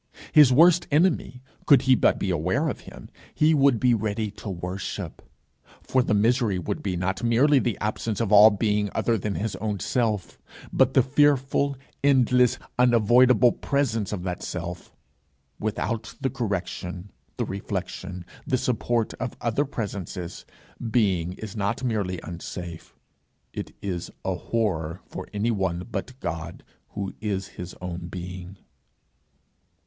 His worst enemy, could he but be aware of him, he would be ready to worship. For the misery would be not merely the absence of all being other than his own self, but the fearful, endless, unavoidable presence of that self. Without the correction, the reflection, the support of other presences, being is not merely unsafe, it is a horror for anyone but God, who is his own being.